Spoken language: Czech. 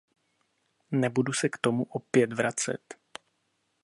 Nebudu se k tomu opět vracet.